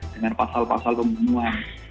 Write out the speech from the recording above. dengan pasal pasal pembunuhan